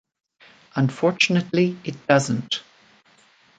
Unfortunately it doesn't.